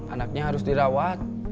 anaknya harus dirawat